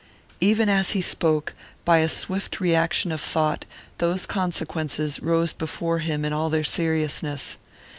Even as he spoke, by a swift reaction of thought, those consequences rose before him in all their seriousness.